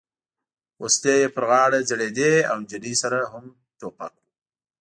وسلې یې پر غاړه ځړېدې او نجلۍ سره هم ټوپک و.